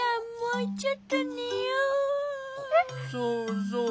そうそう。